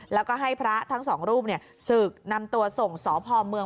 แล้วก็ให้พระทั้ง๒รูปเนี่ยสืบนำตัวส่งสหพอมเมือง